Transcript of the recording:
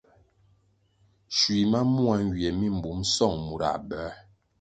Schui ma mua nywie mi mbum song murãh bĕr.